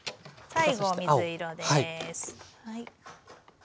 最後水色です。